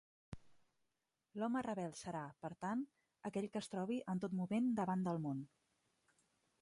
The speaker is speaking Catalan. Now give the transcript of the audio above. L'home rebel serà, per tant, aquell que es trobi en tot moment davant del món.